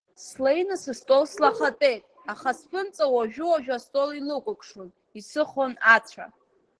Слеины сыстол слахатәеит, аха сԥынҵа уажәы-уажәы астол илықәкшон, исыхон ацәа.